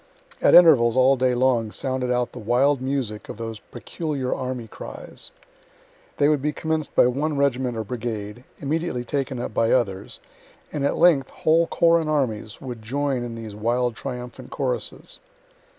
At intervals all day long sounded out the wild music of those peculiar army cries. They would be commenc'd by one regiment or brigade, immediately taken up by others, and at length whole corps and armies would join in these wild triumphant choruses.